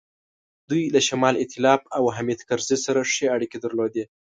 دوی له شمال ایتلاف او حامد کرزي سره ښې اړیکې درلودې.